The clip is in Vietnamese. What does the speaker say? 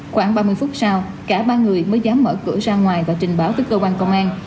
khoảng ba mươi phút sau cả ba người mới dám mở cửa ra ngoài và trình báo tới cơ quan công an